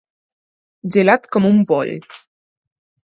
Gelat com un poll.